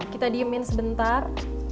kita diemin sebentar